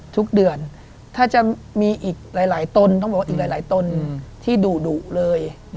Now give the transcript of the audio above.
ทุกเดือนถ้าจะมีอีกหลายตนต้องบอกว่าอีกหลายตนที่ดุเลย